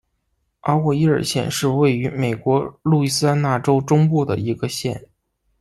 阿沃耶尔县是位于美国路易斯安那州中部的一个县。